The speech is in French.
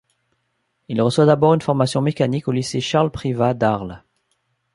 Il reçoit d'abord une formation mécanique au lycée Charles Privat d'Arles.